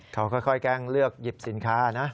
เขาค่อยแกล้งเลือกหยิบสินค้านะ